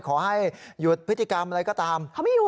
ขอให้หยุดพฤติกรรมอะไรก็ตาม